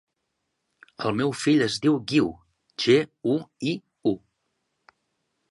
El meu fill es diu Guiu: ge, u, i, u.